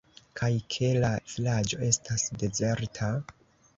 Kaj ke la vilaĝo estas dezerta?